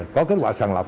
có kết quả sàn lọc